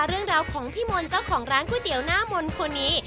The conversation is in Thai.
เรื่องราวของพี่มนต์เจ้าของร้านก๋วยเตี๋ยวหน้ามนต์คนนี้